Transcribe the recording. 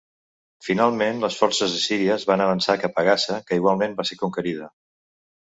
Finalment les forces assíries van avançar cap a Gaza que igualment va ser conquerida.